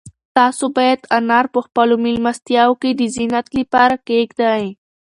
تاسو باید انار په خپلو مېلمستیاوو کې د زینت لپاره کېږدئ.